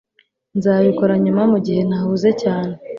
Nzabikora nyuma mugihe ntahuze cyane